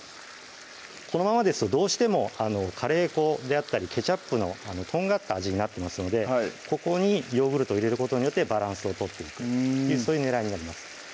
このままですとどうしてもカレー粉であったりケチャップのとんがった味になってますのでここにヨーグルト入れることによってバランスを取っていくそういう狙いになります